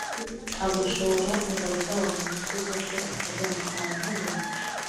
agashora ingabo zabo mu mitwe, zose akazihamagara mu mazina?